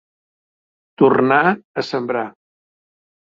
Tornar a sembrar.